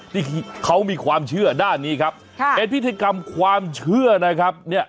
ที่เขามีความเชื่อด้านนี้ครับเป็นพิธีกรรมความเชื่อนะครับเนี่ย